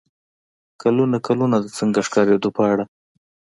کلونه کلونه د "څنګه ښکارېدو" په اړه